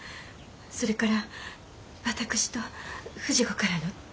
それから私と富士子からの手紙。